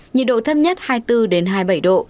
nhiệt độ thấp nhất hai mươi bốn hai mươi bảy độ